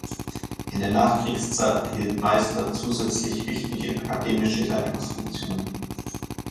In der Nachkriegszeit erhielt Meister zusätzlich wichtige akademische Leitungsfunktionen.